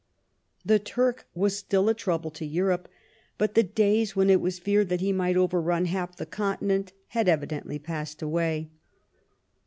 The Turk was still a trouble to Europe, but the days when it was feared that he might overrun half the continent had evidently passed away.